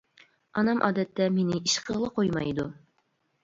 ئانام ئادەتتە مېنى ئىش قىلغىلى قويمايدۇ.